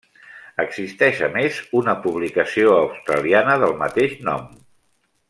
Existeix a més una publicació australiana del mateix nom.